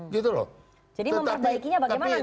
jadi memperbaikinya bagaimana